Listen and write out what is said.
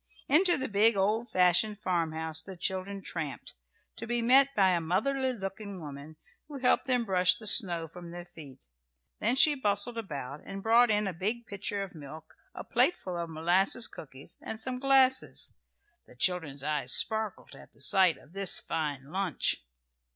Into the big old fashioned farmhouse the children tramped, to be met by a motherly looking woman, who helped them brush the snow from their feet. Then she bustled about, and brought in a big pitcher of milk, a plateful of molasses cookies, and some glasses. The children's eyes sparkled at the sight of this fine lunch.